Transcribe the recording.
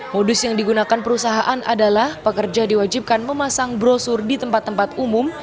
modus yang digunakan perusahaan adalah pekerja diwajibkan memasang brosur di tempat tempat umum